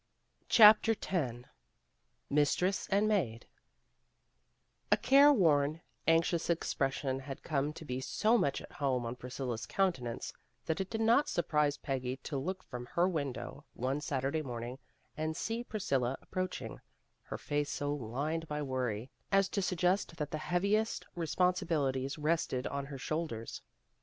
CHAPTER X MISTRESS AND MAID A CAREWORN, anxious expression had come to be so much at home on Priscilla's countenance, that it did not surprise Peggy to look from her window one Saturday morning and see Priscilla approaching, her face so lined by worry as to suggest that the heaviest responsibilities rested on her shoulders.